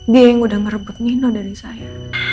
dia yang sudah merebut nino dari saya